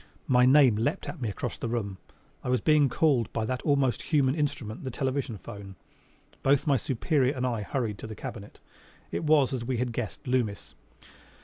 My name leapt at me across the room: I was being called by that almost human instrument, the television 'phone. Both my superior and I hurried to the cabinet. It was, as we had guessed, Loomis.